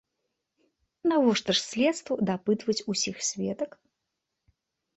Навошта ж следству дапытваць усіх сведак?